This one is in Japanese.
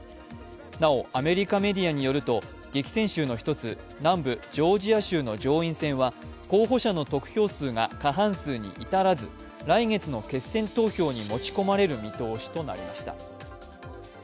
なお、アメリカメディアによると激戦州の１つ、南部ジョージア州の上院選は候補者の得票数が過半数に至らず、来月の決選投票に持ち込まれる見通しとなりました。